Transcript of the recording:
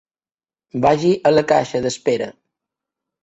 Vagi a la caixa d'espera.